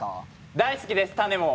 大好きです、種も。